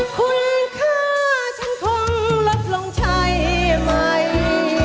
คุณค่าฉันคงลดลงใช่ไหม